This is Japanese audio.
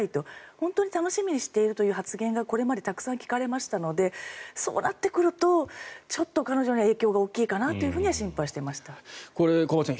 本当に楽しみにしているという発言がこれまでたくさん聞かれましたのでそうなってくるとちょっと彼女には影響が大きいかなと小林さん